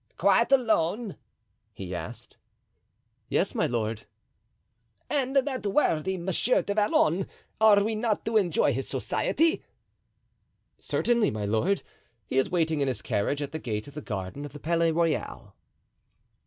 "Quite alone?" he asked. "Yes, my lord." "And that worthy Monsieur du Vallon, are we not to enjoy his society?" "Certainly, my lord; he is waiting in his carriage at the gate of the garden of the Palais Royal."